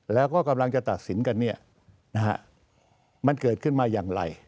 แล้วก็กำลังจะตัดสินกันมันเกิดขึ้นมาอย่างไร